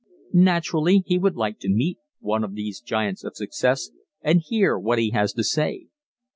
Naturally he would like to meet one of these giants of success and hear what he has to say.